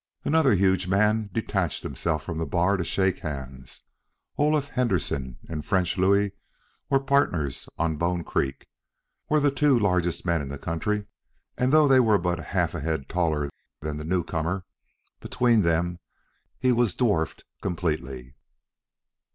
Another huge man detached himself from the bar to shake hands. Olaf Henderson and French Louis, partners together on Bone Creek, were the two largest men in the country, and though they were but half a head taller than the newcomer, between them he was dwarfed completely.